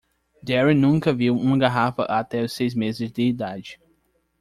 Darren nunca viu uma garrafa até os seis meses de idade.